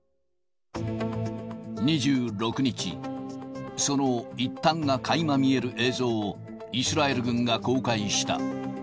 ２６日、その一端がかいま見える映像をイスラエル軍が公開した。